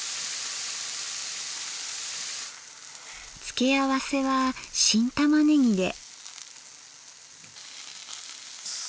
付け合わせは新たまねぎで。